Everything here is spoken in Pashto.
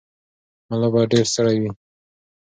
ملا باید ډېر ستړی وي.